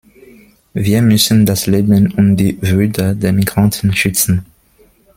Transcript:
Wir müssen das Leben und die Würde der Migranten schützen.